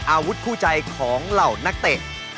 อาวุธคู่ใจของเหล่านักเตะ